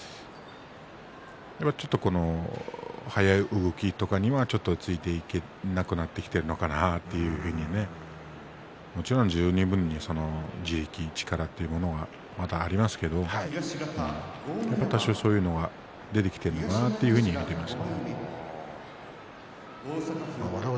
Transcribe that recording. ちょっと速い動きとかにはついていけなくなってきているのかなというふうにもちろん十二分に地力、力というのはありますけど多少、そういうのは出てきているのかなと思います。